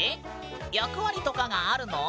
役割とかがあるの？